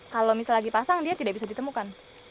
kalau misalnya lagi pasang dia tidak bisa ditemukan